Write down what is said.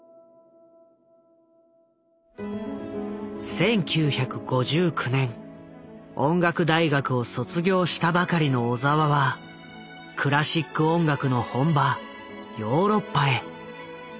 １９５９年音楽大学を卒業したばかりの小澤はクラシック音楽の本場ヨーロッパへ。